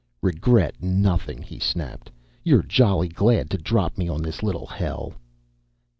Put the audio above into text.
"Regret nothing," he snapped. "You're jolly glad to drop me on this little hell."